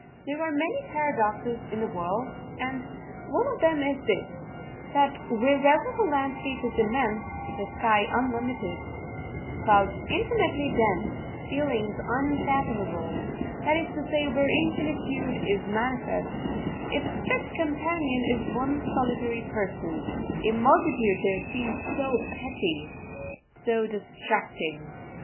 There are many paradoxes in the world and one of them is this, that wherever the landscape is immense, the sky unlimited, clouds intimately dense, feelings unfathomable that is to say where infinitude is manifest its fit companion is one solitary person; a multitude there seems so petty, so distracting.